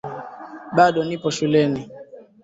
Bado nipo shuleni